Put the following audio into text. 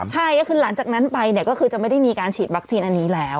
ใช่ก็คือหลังจากนั้นไปเนี่ยก็คือจะไม่ได้มีการฉีดวัคซีนอันนี้แล้ว